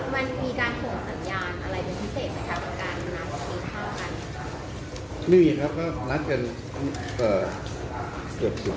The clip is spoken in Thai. มันมีการโหกสัญญาณอะไรเป็นพิเศษเฉพาะการนัดกินข้าวกัน